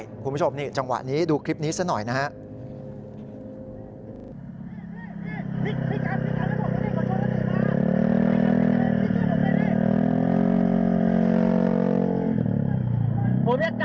คุณผู้ชมนี่จังหวะนี้ดูคลิปนี้ซะหน่อยนะครับ